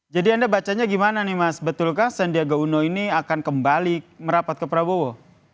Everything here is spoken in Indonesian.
jadi anda bacanya gimana nih mas betulkah sandiaga uno ini akan kembali merapat ke prabowo